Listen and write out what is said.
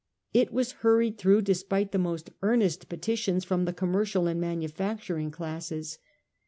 It was hurried through, despite the most earnest petitions from the commercial and manufacturing classes.